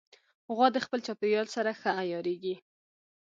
غوا د خپل چاپېریال سره ښه عیارېږي.